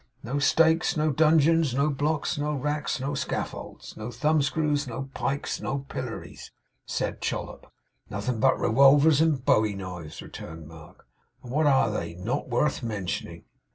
'No stakes, no dungeons, no blocks, no racks, no scaffolds, no thumbscrews, no pikes, no pillories,' said Chollop. 'Nothing but rewolwers and bowie knives,' returned Mark. 'And what are they? Not worth mentioning!